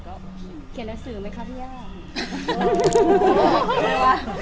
เขียนระสือไหมคะพี่ย่างโอ๊ม